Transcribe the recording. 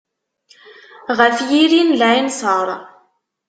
Ɣef yiri n lɛinṣer.